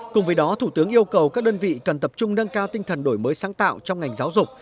cùng với đó thủ tướng yêu cầu các đơn vị cần tập trung nâng cao tinh thần đổi mới sáng tạo trong ngành giáo dục